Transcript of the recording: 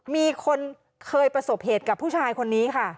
มีคนเคยประสบเหตุกับผู้ชายคนนี้ค่ะ